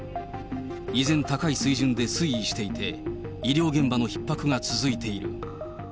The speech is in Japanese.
依然高い水準で推移していて、医療現場のひっ迫が続いている。